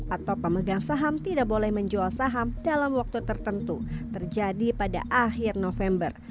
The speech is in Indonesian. atau pemegang saham tidak boleh menjual saham dalam waktu tertentu terjadi pada akhir november